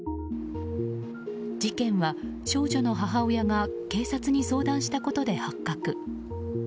事件は、少女の母親が警察に相談したことで発覚。